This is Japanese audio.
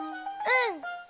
うん。